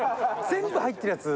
全部入ってるやつ。